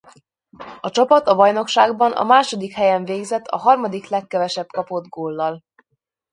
A csapat a bajnokságban a második helyen végzett a harmadaik legkevesebb kapott góllal.